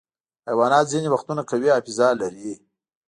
حیوانات ځینې وختونه قوي حافظه لري.